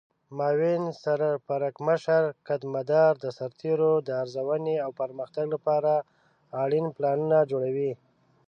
معاون سرپرکمشر قدمدار د سرتیرو د ارزونې او پرمختګ لپاره اړین پلانونه جوړوي.